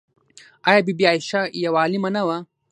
آیا بی بي عایشه یوه عالمه نه وه؟